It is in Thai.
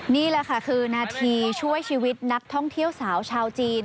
นี่แหละค่ะคือนาทีช่วยชีวิตนักท่องเที่ยวสาวชาวจีน